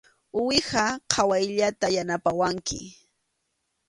Uwiha qhawayllata yanapawanki.